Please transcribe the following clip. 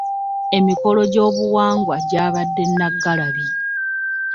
Emikolo gyobuwangwa gyabaade Nnaggalabi.